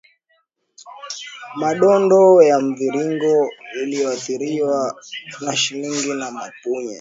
madonda ya mviringo iliyoathiriwa na mashilingi na mapunye